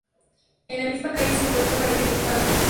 En la misma calle se encuentra un Jardín de Infantes.